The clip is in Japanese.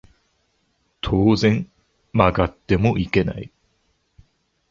当然曲がってもいけない